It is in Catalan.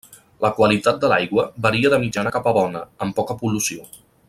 La qualitat de l'aigua varia de mitjana cap a bona, amb poca pol·lució.